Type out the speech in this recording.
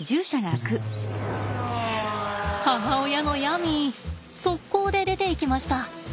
母親のヤミー速攻で出ていきました！